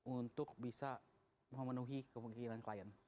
untuk bisa memenuhi kemungkinan klien